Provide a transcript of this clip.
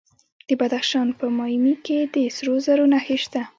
د بدخشان په مایمي کې د سرو زرو نښې شته.